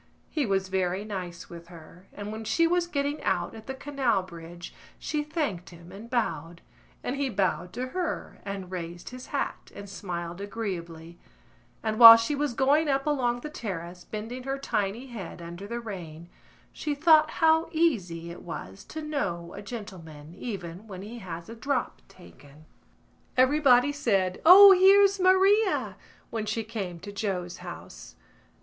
He was very nice with her, and when she was getting out at the Canal Bridge she thanked him and bowed, and he bowed to her and raised his hat and smiled agreeably, and while she was going up along the terrace, bending her tiny head under the rain, she thought how easy it was to know a gentleman even when he has a drop taken. Everybody said: "O, here's Maria!" when she came to Joe's house.